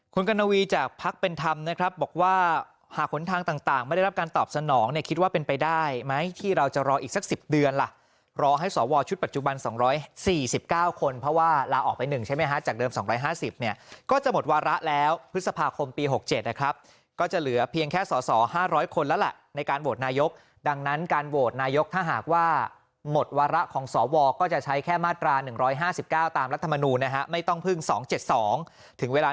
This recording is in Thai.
คุณกัณวีจากพักเป็นธรรมนะครับบอกว่าหากคนทางต่างไม่ได้รับการตอบสนองเนี่ยคิดว่าเป็นไปได้ไหมที่เราจะรออีกสัก๑๐เดือนล่ะรอให้สอวรชุดปัจจุบัน๒๔๙คนเพราะว่าลาออกไป๑ใช่ไหมฮะจากเดิม๒๕๐เนี่ยก็จะหมดวาระแล้วพฤษภาคมปี๖๗นะครับก็จะเหลือเพียงแค่สอ๕๐๐คนแล้วล่ะในการโหวตนายกดังนั้นการโหว